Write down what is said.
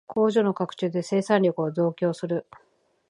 工場の拡張で生産力を増強する